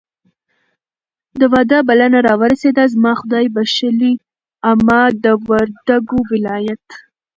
د واده بلنه راورسېده. زما خدایبښلې عمه د وردګو ولایت